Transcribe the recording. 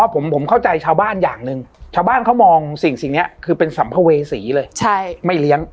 ผมเข้าใจชาวบ้านอย่างหนึ่งชาวบ้านเขามองสิ่งนี้คือเป็นสัมภเวษีเลยไม่เลี้ยง